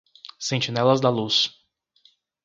Sentinelas da luz